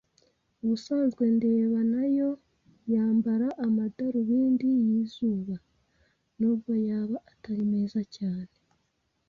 Ubusanzwe ndeba nayo yambara amadarubindi yizuba nubwo yaba atari meza cyane.